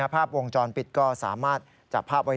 ภาพวงจรปิดก็สามารถจับภาพไว้